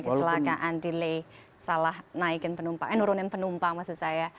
kecelakaan delay salah naikin penumpang eh nurunin penumpang maksud saya